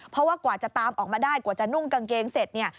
เพราะว่ากว่าจะตามออกมาได้กว่าจะนุ่งกางเกงเสร็จเนี่ย